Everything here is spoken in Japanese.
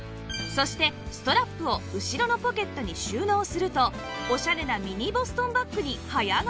そしてストラップを後ろのポケットに収納するとオシャレなミニボストンバッグに早変わり！